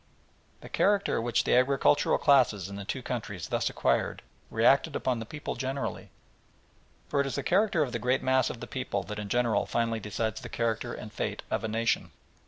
The character which the agricultural classes in the two countries thus acquired reacted upon the people generally, for it is the character of the great mass of the people that in general finally decides the character and fate of a nation.